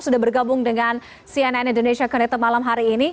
sudah bergabung dengan cnn indonesia connected malam hari ini